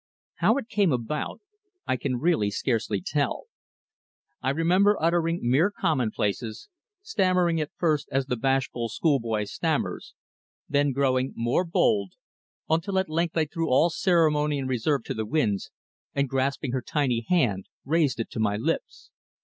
How it came about I can really scarcely tell. I remember uttering mere commonplaces, stammering at first as the bashful schoolboy stammers, then growing more bold, until at length I threw all ceremony and reserve to the winds, and grasping her tiny hand raised it to my lips.